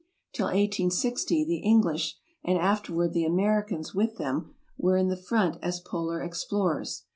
Till i860 the English, and afterward the Americans with them, were in the front as polar explorers.